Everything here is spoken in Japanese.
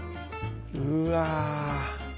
うわ！